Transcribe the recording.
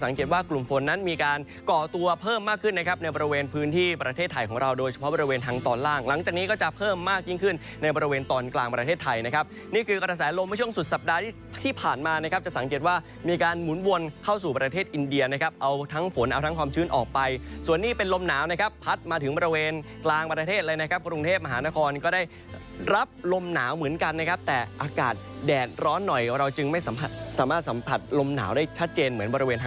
ก็จะเพิ่มมากยิ่งขึ้นในบริเวณตอนกลางประเทศไทยนะครับนี่คือก็จะแสดงลมช่วงสุดสัปดาห์ที่ผ่านมานะครับจะสังเกตว่ามีการหมุนวนเข้าสู่ประเทศอินเดียนะครับเอาทั้งฝนเอาทั้งความชื้นออกไปส่วนนี้เป็นลมหนาวนะครับพัดมาถึงบริเวณกลางประเทศเลยนะครับกรุงเทพมหานครก็ได้รับลมหนาวเหมือนกันนะครับแต